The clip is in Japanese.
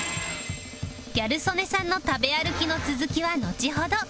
ギャル曽根さんの食べ歩きの続きはのちほど